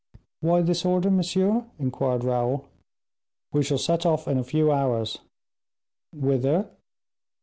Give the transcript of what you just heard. "Why this order, monsieur?" inquired Raoul. "We shall set off in a few hours." "Whither?"